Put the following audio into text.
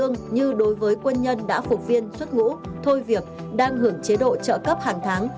như đối với quân nhân đã phục viên xuất ngũ thôi việc đang hưởng chế độ trợ cấp hàng tháng